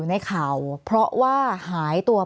แอนตาซินเยลโรคกระเพาะอาหารท้องอืดจุกเสียดแสบร้อน